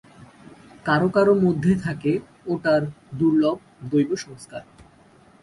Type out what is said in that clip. কারও কারও মধ্যে থাকে ওটার দুর্লভ দৈব সংস্কার।